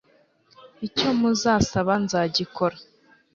icyo muzasaba nzagikora